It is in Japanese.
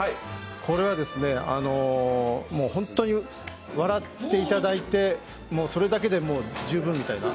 これは、本当に笑っていただいてそれだけで十分みたいな。